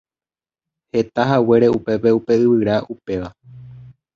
Hetahaguére upépe upe yvyra upéva.